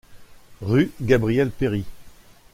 Rue Gabriel Peri.